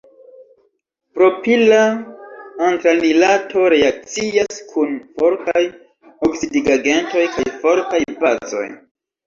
Propila antranilato reakcias kun fortaj oksidigagentoj kaj fortaj bazoj.